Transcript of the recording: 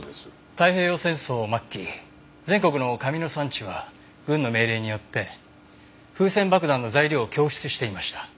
太平洋戦争末期全国の紙の産地は軍の命令によって風船爆弾の材料を供出していました。